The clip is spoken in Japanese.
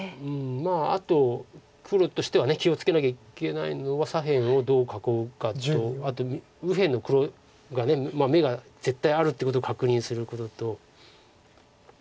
まああと黒としては気を付けなきゃいけないのは左辺をどう囲うかとあと右辺の黒が眼が絶対あるってことを確認することと。